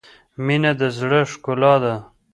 • مینه د زړۀ ښکلا ده.